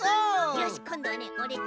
よしこんどはねオレっち